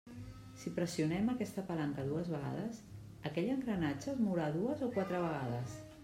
Si pressionem aquesta palanca dues vegades, ¿aquell engranatge es mourà dues o quatre vegades?